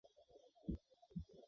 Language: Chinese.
圣马塞昂缪拉人口变化图示